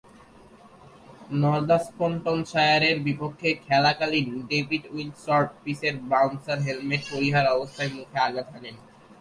নর্দাম্পটনশায়ারের বিপক্ষে খেলাকালীন ডেভিড উইলি’র শর্ট-পিচের বাউন্সার হেলমেট পরিহিত অবস্থায় মুখে আঘাত হানে।